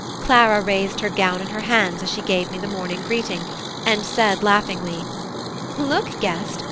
Clara raised her gown in her hands as she gave me the morning greeting, and said laughingly: "Look, guest!